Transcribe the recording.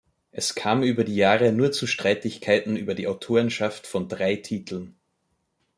Es kam über die Jahre nur zu Streitigkeiten über die Autorenschaft von drei Titeln.